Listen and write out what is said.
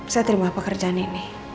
saya terima pekerjaan ini